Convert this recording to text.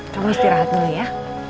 kamu istirahat dulu ya